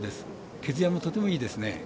毛づやもとてもいいですね。